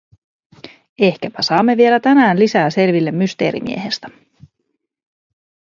Ehkäpä saamme vielä tänään lisää selville Mysteerimiehestä.